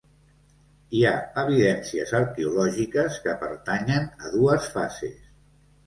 Hi ha evidències arqueològiques que pertanyen a dues fases.